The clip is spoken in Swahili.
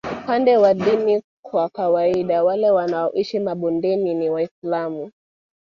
Upande wa dini kwa kawaida wale wanaoishi mabondeni ni Waislamu